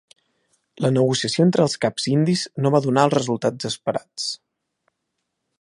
La negociació entre els caps indis no va donar els resultats esperats.